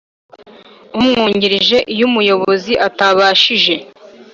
Umwungirije iyo umuyobozi atabashije